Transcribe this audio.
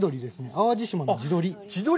淡路島の地鶏。